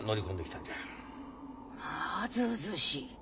まあずうずうしい。